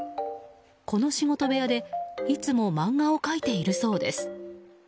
この仕事部屋でいつも漫画を描いているそうです。